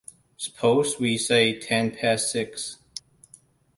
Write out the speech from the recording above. Suppose we say ten past six!